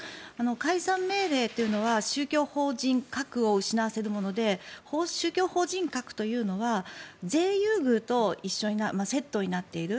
解散命令というのは宗教法人格を失わせるもので宗教法人格というのは税優遇とセットになっている。